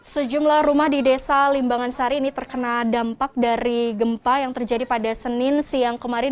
sejumlah rumah di desa limbangan sari ini terkena dampak dari gempa yang terjadi pada senin siang kemarin